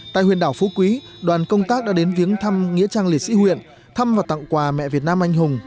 tại huyện đảo phú quý đoàn công tác đã đến viếng thăm nghĩa trang liệt sĩ huyện thăm và tặng quà mẹ việt nam anh hùng